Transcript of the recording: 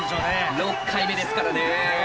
６回目ですからね。ね。